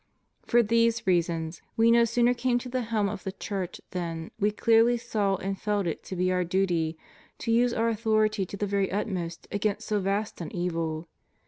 For these reasons We no sooner came to the helm of the Church than We clearly saw and felt it to be Our duty to use Our authority to the very utmost against so vast an evil.